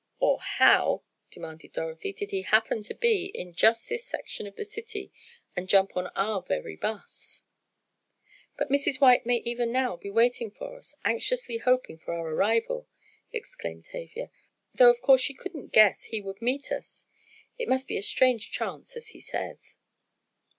"Or how," demanded Dorothy, "did he happen to be in just this section of the city and jump on our very 'bus?" "But Mrs. White may even now be waiting for us, anxiously hoping for our arrival," exclaimed Tavia; "though of course she couldn't guess he would meet us. It must be a strange chance, as he says."